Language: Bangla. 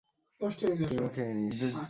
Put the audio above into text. তুইও খেয়ে নিস।